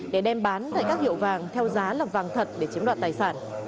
để đem bán tại các hiệu vàng theo giá là vàng thật để chiếm đoạt tài sản